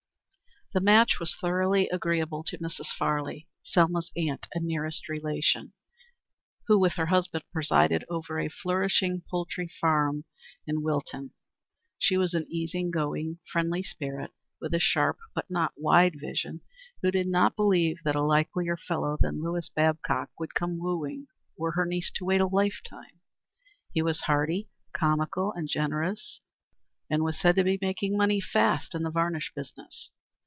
The match was thoroughly agreeable to Mrs. Farley, Selma's aunt and nearest relation, who with her husband presided over a flourishing poultry farm in Wilton. She was an easy going, friendly spirit, with a sharp but not wide vision, who did not believe that a likelier fellow than Lewis Babcock would come wooing were her niece to wait a lifetime. He was hearty, comical, and generous, and was said to be making money fast in the varnish business.